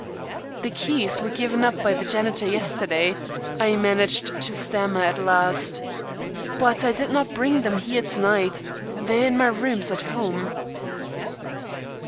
"The keys were given up by the janitor yesterday," I managed to stammer at last. "But I did not bring them here to night. They are in my rooms at home."